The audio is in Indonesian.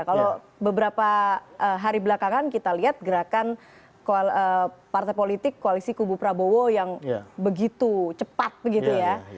kalau beberapa hari belakangan kita lihat gerakan partai politik koalisi kubu prabowo yang begitu cepat begitu ya